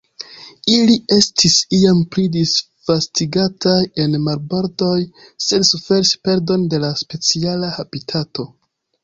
Ili estis iam pli disvastigataj en marbordoj, sed suferis perdon de la speciala habitato.